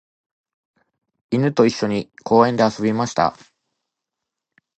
犬と一緒に公園で遊びました。